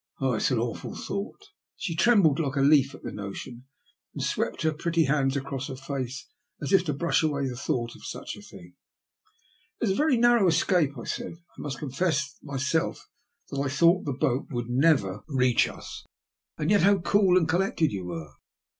Oh ! it is an awful thought." ' She trembled like a leaf at the notion, and swept her pretty hands across her face as if to brush away the thought of such a thing. It was a very narrow escape," I said. ^* I must confess myself that I thought the boat would never IM THE LUST OF HATE, reach US. And yet how cool and collected yoa were